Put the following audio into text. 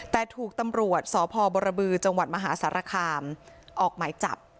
แต่ถูกตำรวจสพบรบือจังหวัดมหาสารคามออกหมายจับ